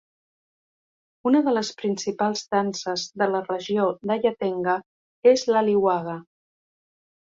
Una de les principals danses de la regió de Yatenga és la "liwaga".